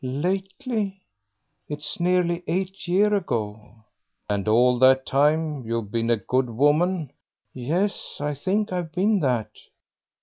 "Lately! It's nearly eight year ago." "And all that time you've been a good woman?" "Yes, I think I've been that."